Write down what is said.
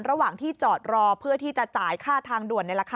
ระหว่างที่จอดรอเพื่อที่จะจ่ายค่าทางด่วน